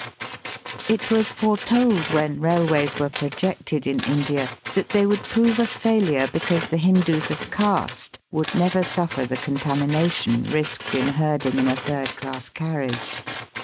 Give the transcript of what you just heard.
It was foretold when railways were projected in India that they would prove a failure because the Hindoos of caste would never suffer the contamination risked in herding in a third class carriage.